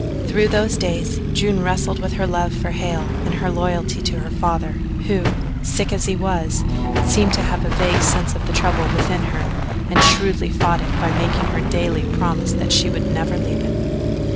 Through those days June wrestled with her love for Hale and her loyalty to her father, who, sick as he was, seemed to have a vague sense of the trouble within her and shrewdly fought it by making her daily promise that she would never leave him.